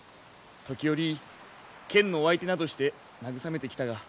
時折剣のお相手などして慰めてきたが。